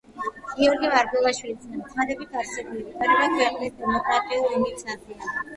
გიორგი მარგველაშვილის განცხადებით, არსებული ვითარება ქვეყნის დემოკრატიულ იმიჯს აზიანებს.